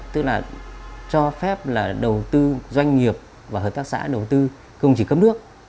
tức là cho phép đầu tư doanh nghiệp và hợp tác xã đầu tư không chỉ cấm nước